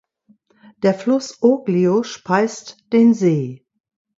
Der Fluss Oglio speist den See.